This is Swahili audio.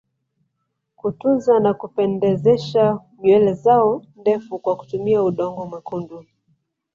Kutunza na kupendezesha nywele zao ndefu kwa kutumia udongo mwekundu